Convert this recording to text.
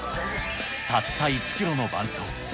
たった１キロの伴走。